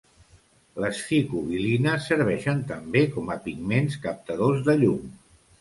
Les ficobilines serveixen també com a pigments captadors de llum.